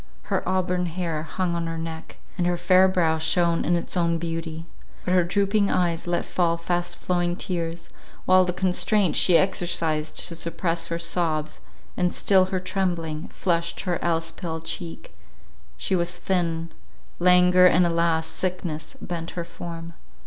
Her auburn hair hung on her neck, and her fair brow shone in its own beauty; but her drooping eyes let fall fast flowing tears, while the constraint she exercised to suppress her sobs, and still her trembling, flushed her else pale cheek; she was thin; languor, and alas! sickness, bent her form.